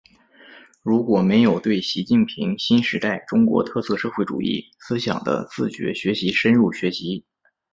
如果没有对习近平新时代中国特色社会主义思想的自觉学习深入学习